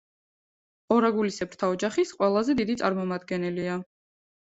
ორაგულისებრთა ოჯახის ყველაზე დიდი წარმომადგენელია.